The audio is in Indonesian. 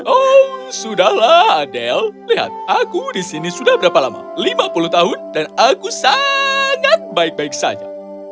oh sudahlah adel lihat aku disini sudah berapa lama lima puluh tahun dan aku sangat baik baik saja